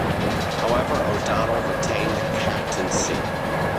However O'Donnell retained the captaincy.